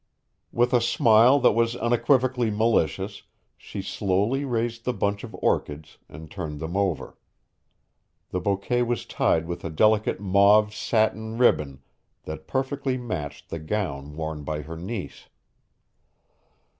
With a smile that was unequivocally malicious she slowly raised the bunch of orchids and turned them over. The bouquet was tied with a delicate mauve satin ribbon that perfectly matched the gown worn by her niece.